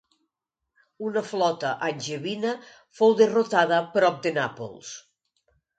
Una flota angevina fou derrotada prop de Nàpols.